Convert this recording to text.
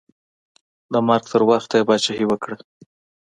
د مرګ تر وخته یې پاچاهي وکړه.